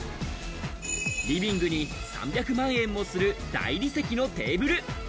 リビングに３００万円もする大理石のテーブル。